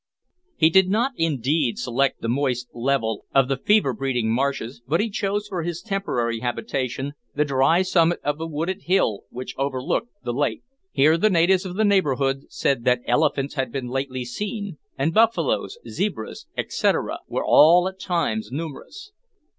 He did not indeed, select the moist level of the fever breeding marshes, but he chose for his temporary habitation the dry summit of a wooded hill which overlooked the lake. Here the natives of the neighbourhood said that elephants had been lately seen, and buffaloes, zebras, etcetera, were at all times numerous.